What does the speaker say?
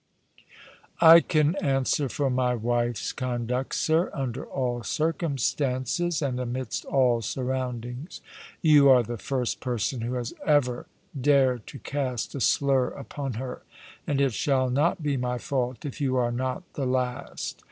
" I can answer for my wife's conduct, sir, under all circum stances, and amidst all surroundiugs. You are the first person who has ever dared to cast a slur upon her, and it shall not be my fault if you are not the last.